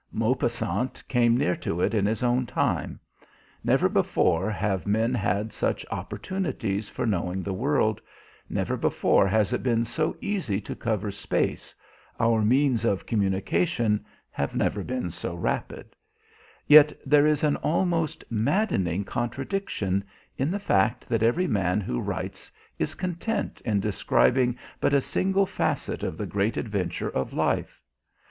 Maupassant came near to it in his own time. Never before have men had such opportunities for knowing the world, never before has it been so easy to cover space, our means of communication have never been so rapid; yet there is an almost maddening contradiction in the fact that every man who writes is content in describing but a single facet of the great adventure of life.